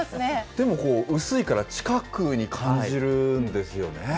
でもこう、薄いから、近くに感じるんですよね。